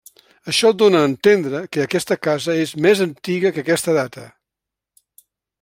Això dóna a entendre que aquesta casa és més antiga que aquesta data.